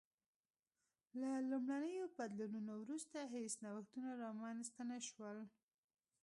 له لومړنیو بدلونونو وروسته هېڅ نوښتونه رامنځته نه شول